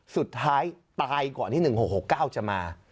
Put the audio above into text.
สุดท้ายตายก่อนที่๑๖๖๙จะมา